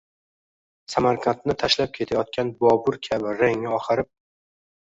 Samarqandni tashlab ketyotgan Bobur kabi rangi oqarib.